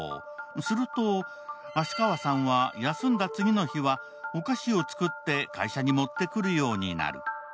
すると芦川さんは休んだ次の日はお菓子を作って会社に持ってくるようになる。